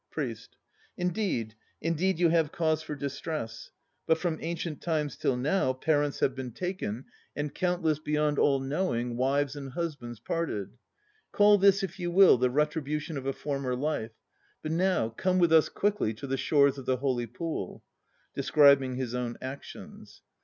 PRIEST. ""indeed, indeed you have cause for distress. But from ancient times till now Parents have been taken IKENIYE 199 And countless beyond all knowing Wives and husbands parted. Call this, if you will, the retribution of a former life. But now come with us quickly to the shores of the Holy Pool. (Describing his own actions.)